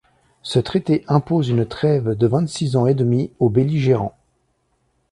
Ce traité impose une trêve de vingt-six ans et demi aux belligérants.